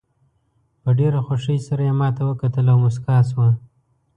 په ډېره خوښۍ سره یې ماته وکتل او موسکاه شوه.